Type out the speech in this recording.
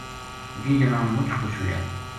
یہ جنا مُچ خوش ہویا